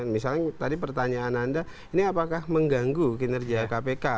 misalnya tadi pertanyaan anda ini apakah mengganggu kinerja kpk